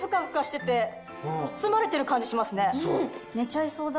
寝ちゃいそうだ